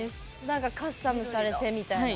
何かカスタムされてみたいな。